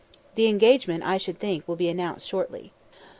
The engagement, I should think, will be announced shortly."